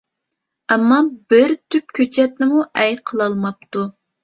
ئەمما بىر تۈپ كۆچەتنىمۇ ئەي قىلالماپتۇ.